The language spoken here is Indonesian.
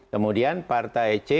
kemudian partai c